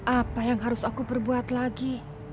apa yang harus aku perbuat lagi